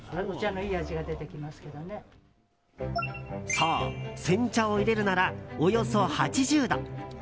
そう、煎茶をいれるならおよそ８０度。